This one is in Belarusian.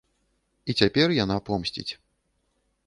І цяпер яна помсціць.